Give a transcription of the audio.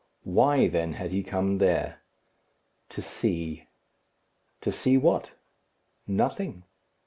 Why, then, had he come there? To see. To see what? Nothing.